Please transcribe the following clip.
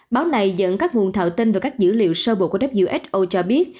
báo này dẫn các nguồn thạo tin và các dữ liệu sơ bộ của who cho biết